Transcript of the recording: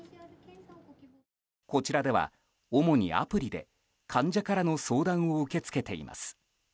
こちらでは主にアプリで患者からの相談を受け付けています。